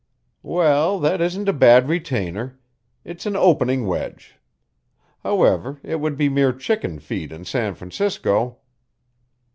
"Well, that isn't a bad retainer. It's an opening wedge. However, it would be mere chicken feed in San Francisco."